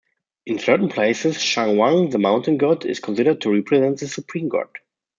In certain places, Shanwang, the mountain god, is considered to represent the supreme god.